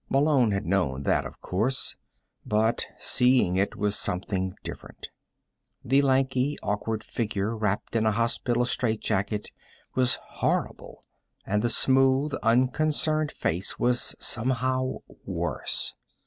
Malone had known that, of course but seeing it was something different. The lanky, awkward figure wrapped in a hospital strait jacket was horrible, and the smooth, unconcerned face was, somehow, worse.